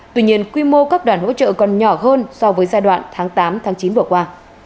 tuy nhiên quy mô các đoàn hỗ trợ còn nhỏ hơn so với giai đoạn tháng tám tháng chín vừa qua